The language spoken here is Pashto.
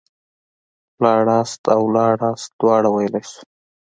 ولاړلاست او ولاړاست دواړه ويلاى سو.